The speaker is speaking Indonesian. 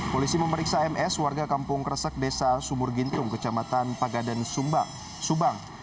polisi memeriksa ms warga kampung kresak desa sumurgintung kecamatan pagadan subang